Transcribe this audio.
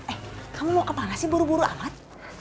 eh kamu mau kemana sih buru buru angkat